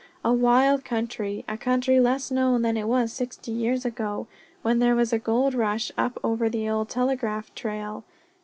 A wild country. A country less known than it was sixty years ago, when there was a gold rush up over the old telegraph trail.